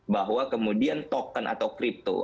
bahwa kemudian token atau crypto